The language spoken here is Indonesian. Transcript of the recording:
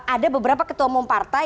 ada beberapa ketua umum partai